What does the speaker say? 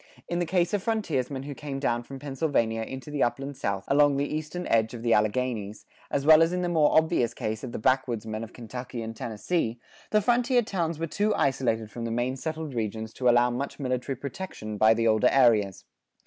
In the case of frontiersmen who came down from Pennsylvania into the Upland South along the eastern edge of the Alleghanies, as well as in the more obvious case of the backwoodsmen of Kentucky and Tennessee, the frontier towns were too isolated from the main settled regions to allow much military protection by the older areas.